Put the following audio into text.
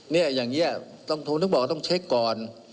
เนี่ยอย่างนี้ผมถึงบอกต้องเช็คก่อน